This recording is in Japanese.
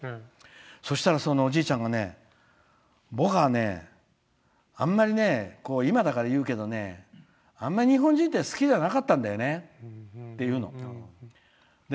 そしたら、おじいちゃんが僕は、あんまり今だから言うけどあんまり日本人って好きじゃなかったんだよねって言うの。